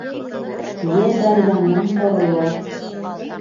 Йә дарьяның ҡороуы.